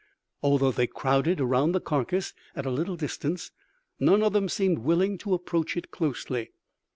Although they crowded around the carcass at a little distance, none of them seemed willing to approach it closely.